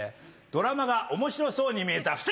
「ドラマがおもしろそうに見えた」。